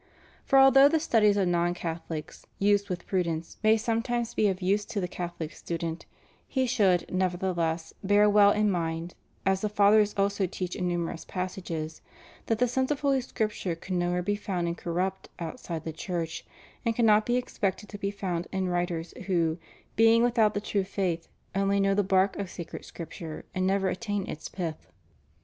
For although the studies of non Catholics, used with prudence, may sometimes be of use to the Catholic student, he should, nevertheless, bear well in mind — as the Fathers also teach in numerous passages ^— that the sense of Holy Scripture can nowhere be found incorrupt outside the Church, and cannot be expected to be found in writers who, being without the true faith, only know the bark of sacred Scripture, and never attain its pith.